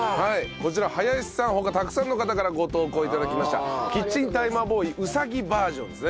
こちら林さん他たくさんの方からご投稿頂きましたキッチンタイマーボーイうさぎバージョンですね。